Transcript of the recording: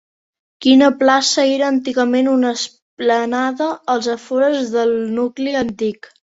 Quina plaça era antigament una esplanada als afores del nucli antic?